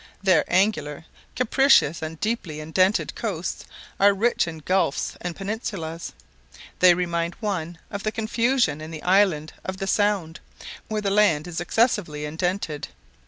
Their angular, capricious, and deeply indented coasts are rich in gulfs and peninsulas. They remind one of the confusion in the islands of the Sound, where the land is excessively indented.